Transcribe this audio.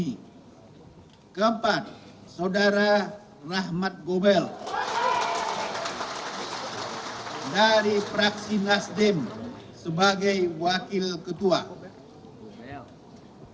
d keempat saudara rahmat govel dari praksi nasdem sebagai wakil ketua dpr ri